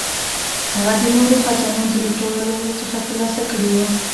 هغه د نورو خزانو د لوټلو څخه ترلاسه کړي وه.